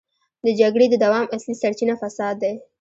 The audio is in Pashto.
د جګړې د دوام اصلي سرچينه فساد دی.